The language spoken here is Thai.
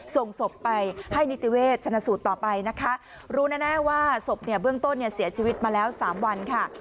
ส่งศพไปให้นิติเวชชนะสูตรต่อไปนะคะรู้แน่ว่าศพเนี่ยเบื้องต้นเนี่ยเสียชีวิตมาแล้วสามวันค่ะ